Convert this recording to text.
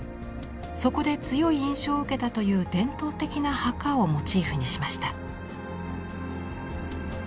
そこで強い印象を受けたという伝統的な墓をモチーフにしました。